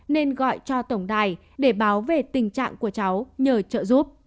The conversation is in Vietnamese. nên gọi cho tổng đài để báo về tình trạng của cháu nhờ trợ giúp